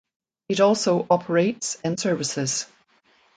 It also operates and services.